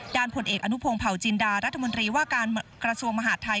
ผลเอกอนุพงศ์เผาจินดารัฐมนตรีว่าการกระทรวงมหาดไทย